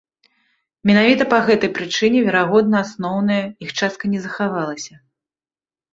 Менавіта па гэтай прычыне, верагодна, асноўная іх частка не захавалася.